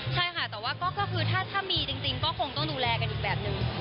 ใช่ค่ะแต่ว่าก็คือถ้ามีจริงก็คงต้องดูแลกันอีกแบบนึง